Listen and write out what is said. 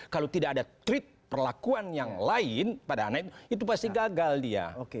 kalau tidak ada tweet perlakuan yang lain pada anak itu pasti gagal dia